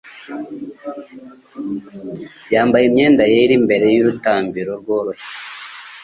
yambaye imyenda yera imbere y'urutambiro rworoshye